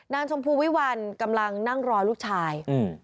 ชมพูวิวัลกำลังนั่งรอลูกชาย